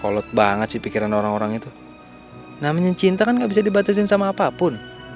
kolot banget sih pikiran orang orang itu namanya cinta nggak bisa dibatasi sama apapun